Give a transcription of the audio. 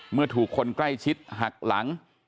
เมื่อถูกคนใกล้ชิดหักหลัง